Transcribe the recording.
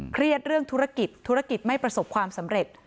เครียดเรื่องธุรกิจธุรกิจไม่ประสบความสำเร็จ